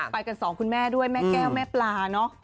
ไปกันสองคุณแม่ด้วยแม่แก้วแม่ปลาเนอะ